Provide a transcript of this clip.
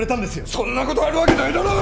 そんな事あるわけないだろう！